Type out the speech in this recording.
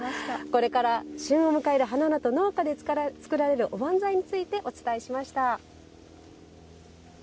旬の花菜と農家で作られるおばんざいについてお伝えしました。